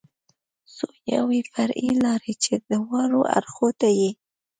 څو یوې فرعي لارې ته چې دواړو اړخو ته یې.